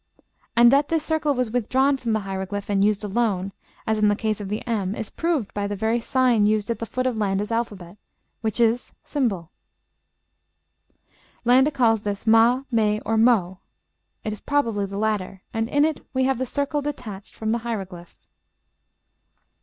And that this circle was withdrawn from the hieroglyph, and used alone, as in the case of the m, is proved by the very sign used at the foot of Landa's alphabet, which is, ### Landa calls this ma, me, or mo; it is probably the latter, and in it we have the circle detached from the hieroglyph.